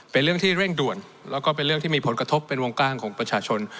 เป็นเรื่องที่เร่งด่วนแล้วก็เป็นเรื่องที่มีผลกระทบเป็นวงกว้างของประชาชน